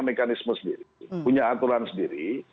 mekanisme sendiri punya aturan sendiri